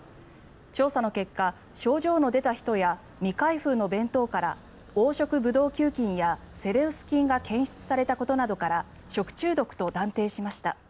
調査の結果、症状の出た人や未開封の弁当から黄色ブドウ球菌やセレウス菌が検出されたことなどから食中毒と断定しました。